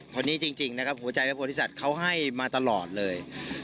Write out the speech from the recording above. คนนี้จริงนะครับหัวใจพระโพธิสัตว์เขาให้มาตลอดเลย